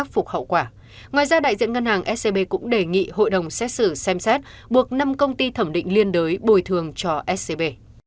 phía scb cũng đề nghị hội đồng xét xử xem xét buộc năm công ty thẩm định liên đối bồi thường cho scb